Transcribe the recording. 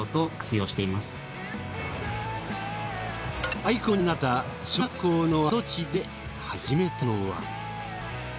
廃校になった小学校の跡地で始めたのは。